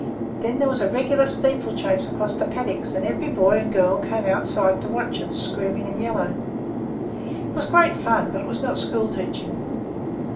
Then there was a regular steeplechase across the paddocks, and every boy and girl came outside to watch it, screaming and yelling. It was great fun, but it was not school teaching.